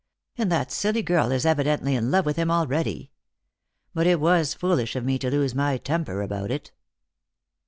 And that silly girl is evidently in love with him already. But it was foolish of me to lose my temper about it."